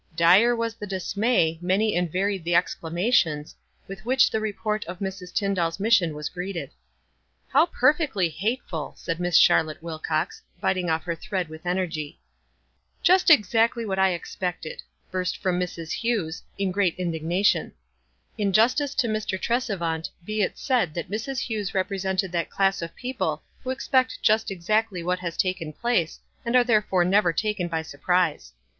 Dire was the dismay, many and varied the exclamations, with which the report of Mrs. Tyndall's mission was greeted. "How perfectly hateful," said Miss Charlotte Wilco::, biting off her thread with energy. "Just exactly what I expected !" burst from Mrs. Hewes, in o r ea t indignation. In justice to Mr. Tresevant, be it said that Mrs. Hewes represented that class of people who expect just exactly what has taken place, and are therefore never taken by surprise.